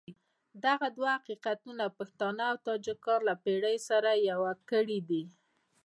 دغه دوه حقیقتونه پښتانه او تاجکان له پېړیو سره يو کړي دي.